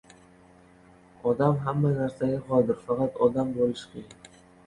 Odam hamma narsaga qodir! Faqat odam bo‘lish qiyin.